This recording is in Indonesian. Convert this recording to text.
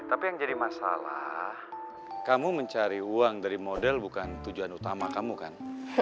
tapi yang jadi masalah kamu mencari uang dari model bukan tujuan utama kamu kan